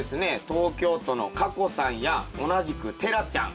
東京都のかこさんや同じくテラちゃん